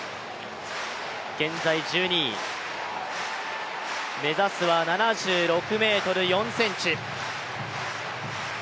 現在１２位、目指すは７６ｍ４ｃｍ。